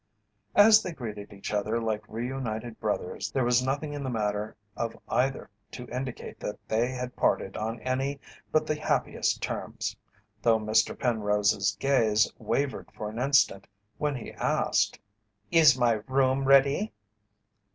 As they greeted each other like reunited brothers there was nothing in the manner of either to indicate that they had parted on any but the happiest terms, though Mr. Penrose's gaze wavered for an instant when he asked: "Is my room ready?"